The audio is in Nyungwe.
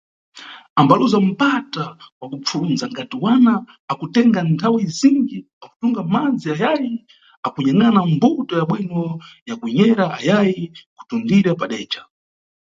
Ambaluza mpata wa kupfundza angati wana akutenga nthawe izinji akutunga madzi ayayi akunyangʼana mbuto ya bwino ya kunyera ayayi kutundira padeca.